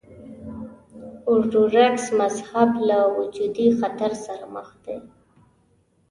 ارتوډوکس مذهب له وجودي خطر سره مخ دی.